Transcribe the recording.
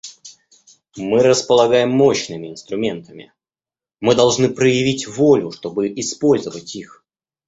Мы располагаем мощными инструментами; мы должны проявить волю, чтобы использовать их.